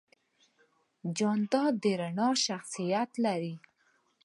جانداد د رڼا شخصیت لري.